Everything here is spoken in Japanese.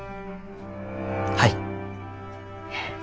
はい。